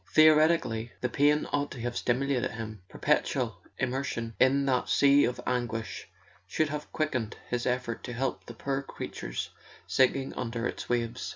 Theoretically, the pain ought to have stimulated him: perpetual im¬ mersion in that sea of anguish should have quickened his effort to help the poor creatures sinking under its waves.